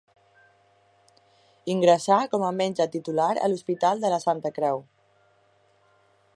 Ingressà com a metge titular a l'Hospital de la Santa Creu.